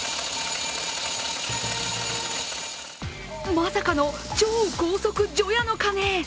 まさかの超高速除夜の鐘。